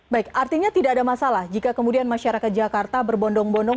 baik artinya tidak ada masalah jika kemudian masyarakat jakarta berbondong bondong